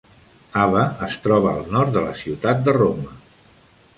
Ava es troba al nord de la ciutat de Roma.